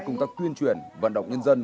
công tác tuyên truyền vận động nhân dân